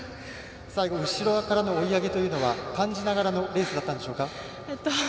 最後、後ろからの追い上げというのは感じながらのレースだったんでしょうか？